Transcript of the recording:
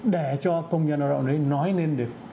để cho công nhân lao động nói lên được